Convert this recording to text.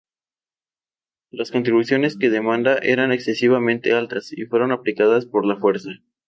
Las contribuciones que demandaba eran excesivamente altas, y fueron aplicadas por la fuerza.